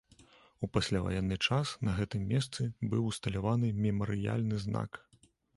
У пасляваенны час на гэтым месцы быў усталяваны мемарыяльны знак.